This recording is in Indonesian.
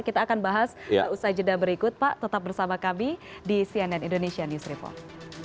kita akan bahas usai jeda berikut pak tetap bersama kami di cnn indonesia news report